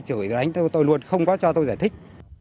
chửi đánh tôi luôn không có cho tôi giải thích